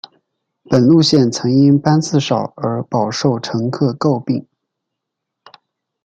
本路线曾因班次少而饱受乘客诟病。